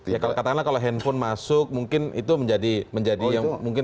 ya kalau katakanlah kalau handphone masuk mungkin itu menjadi yang mungkin